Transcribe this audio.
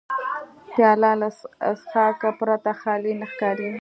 پیاله له څښاک پرته خالي نه ښکاري.